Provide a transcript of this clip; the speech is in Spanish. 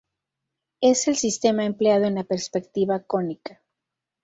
Es el sistema empleado en la perspectiva cónica.